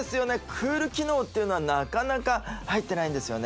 ＣＯＯＬ機能っていうのはなかなか入ってないんですよね